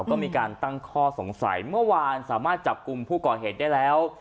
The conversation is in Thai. ก็มีการตั้งข้อสงสัยเมื่อวานสามารถจับกลุ่มผู้ก่อเหตุได้แล้ว